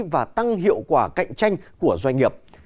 và tăng hiệu quả cạnh tranh của doanh nghiệp